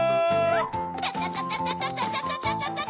タタタタタタタ！